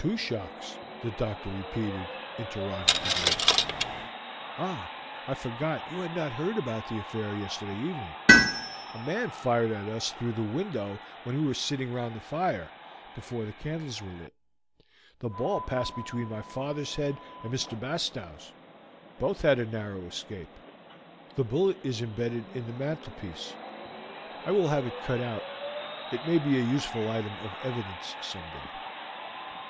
"Two shocks?" the doctor repeated interrogatively. "Ah, I forgot you had not heard about the affair yesterday evening: a man fired at us through the window when we were sitting round the fire, before the candles were lit. The ball passed between my father's head and Mr. Bastow's; both had a narrow escape; the bullet is imbedded in the mantelpiece. I will have it cut out; it may be a useful item of evidence some day."